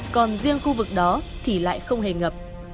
còn riêng khu vực đó thì lại không hề ngập